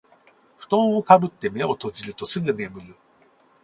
ふとんをかぶって目を閉じるとすぐ眠る